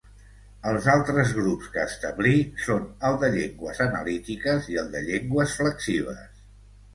Els altres grups que establí són el de llengües analítiques i el de llengües flexives.